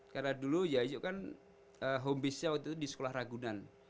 karena dulu yayu kan home base nya waktu itu di sekolah ragunan